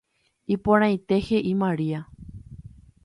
Iporãite heʼi María.